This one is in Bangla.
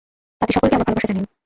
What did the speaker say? তাদের সকলকে আমার ভালবাসা জানিও।